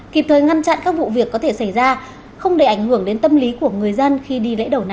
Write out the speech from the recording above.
kịp thời ngăn chặn các vụ việc có thể xảy ra không để ảnh hưởng đến tâm lý của người dân khi đi lễ đầu năm